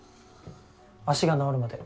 足が治るまで。